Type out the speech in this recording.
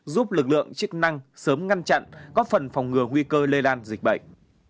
giúp lực lượng chức năng sớm ngăn chặn góp phần phòng ngừa nguy cơ lây lan dịch bệnh